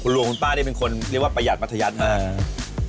คุณลุงคุณป้านี่เป็นคนเรียกว่าประหยัดประทยัตรมาก